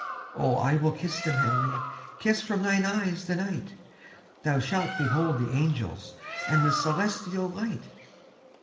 "Oh, I will kiss them, Henry, Kiss from thine eyes the night. Thou shalt behold the angels And the celestial light."